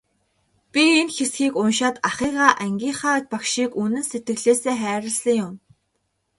Би энэ хэсгийг уншаад ахыгаа, ангийнхаа багшийг үнэн сэтгэлээсээ хайрласан юм.